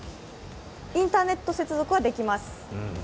インターネット接続はできます。